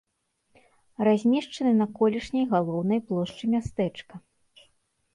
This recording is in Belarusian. Размешчаны на колішняй галоўнай плошчы мястэчка.